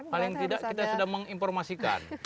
paling tidak kita sudah menginformasikan